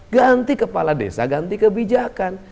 ganti kepala desa ganti kebijakan